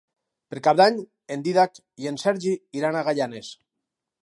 Per Cap d'Any en Dídac i en Sergi iran a Gaianes.